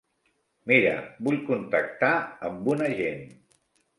Mira, vull contactar amb un agent.